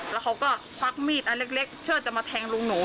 แล้วเขาก็ควักมีดอันเล็กเพื่อจะมาแทงลุงหนู